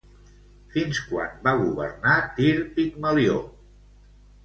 Fins quan va governar Tir Pigmalió?